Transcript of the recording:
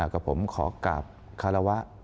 กับผมขอกราบคารวะ